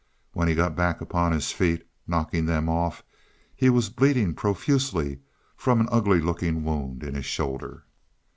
When he got back upon his feet, knocking them off, he was bleeding profusely from an ugly looking wound in his shoulder.